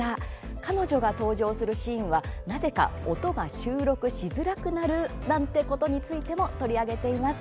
彼女が登場するシーンはなぜか音が収録しづらくなる？なんてことについても取り上げています。